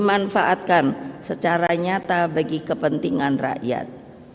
dan ini adalah hal yang sangat nyata bagi kepentingan rakyat